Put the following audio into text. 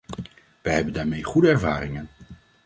Wij hebben daarmee goede ervaringen.